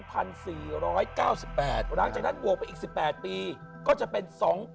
หลังจากนั้นบวกไปอีก๑๘ปีก็จะเป็น๒๐๐๐